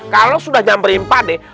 kalau sudah sampai empat nih